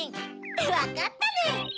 わかったネ！